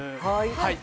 はい。